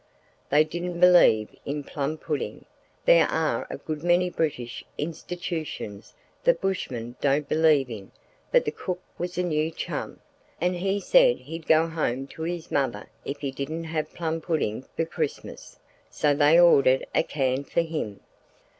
They didn't believe in plum pudding—there are a good many British institutions that bushmen don't believe in but the cook was a new chum, and he said he'd go home to his mother if he didn't have plum pudding for Christmas, so they ordered a can for him.